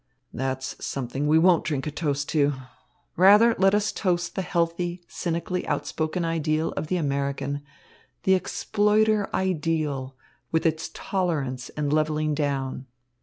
"That's something we won't drink a toast to. Rather let us toast the healthy, cynically outspoken ideal of the American, the exploiter ideal, with its tolerance and levelling down."